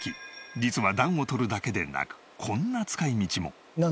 実は暖をとるだけでなくこんな使い道も。